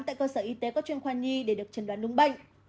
tại cơ sở y tế có chuyên khoa nhi để được chẩn đoán đúng bệnh